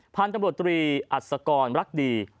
พาลจำรวจตรีอัศกรรมรักดี